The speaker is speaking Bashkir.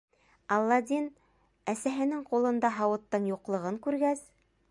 Аладдин, әсәһенең ҡулында һауыттың юҡлығын күргәс: